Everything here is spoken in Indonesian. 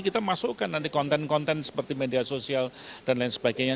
kita masukkan nanti konten konten seperti media sosial dan lain sebagainya